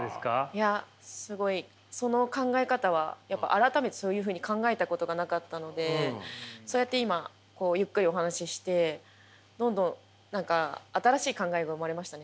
いやすごいその考え方は改めてそういうふうに考えたことがなかったのでそうやって今こうゆっくりお話ししてどんどん何か新しい考えが生まれましたね。